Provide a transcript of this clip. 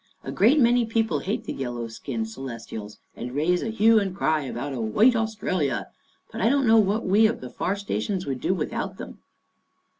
A great many people hate the yellow skinned Celestials and raise a hue and cry about a ' White Australia,' but I don't know what we of the far stations would do without them."